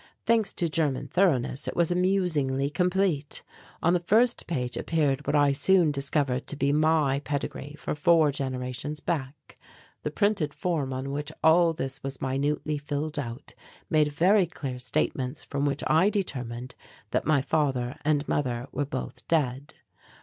Thanks to German thoroughness it was amusingly complete. On the first page appeared what I soon discovered to be __ pedigree for four generations back. The printed form on which all this was minutely filled out made very clear statements from which I determined that my father and mother were both dead.